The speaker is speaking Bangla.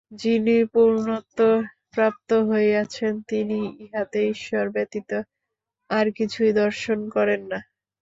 যিনি পূর্ণত্ব প্রাপ্ত হইয়াছেন, তিনি ইহাতে ঈশ্বর ব্যতীত আর কিছুই দর্শন করেন না।